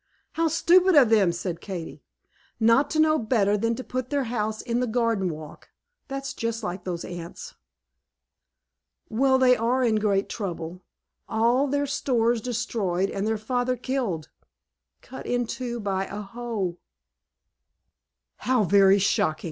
"How stupid of them," said Katy, "not to know better than to put their house in the garden walk; that's just like those Ants!" "Well, they are in great trouble; all their stores destroyed, and their father killed, cut in two by a hoe." "How very shocking!